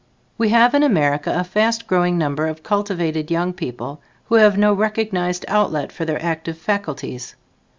We have in America a fast growing number of cultivated young people who have no recognized outlet for their active faculties.